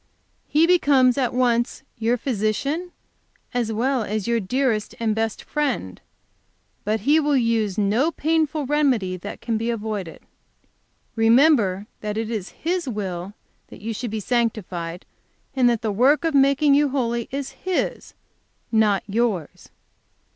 He becomes at once, your physician as well as your dearest and best Friend, but He will use no painful remedy that can be avoided. Remember that it is His will that you should be sanctified, and that the work of making you holy is His, not yours.